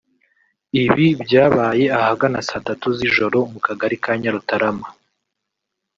Ibi byabaye ahagana saa tatu z’ijoro mu Kagari ka Nyarutarama